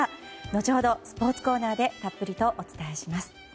後ほどスポーツコーナーでたっぷりとお伝えします。